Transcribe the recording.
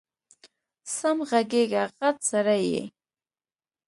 سم غږېږه غټ سړی یې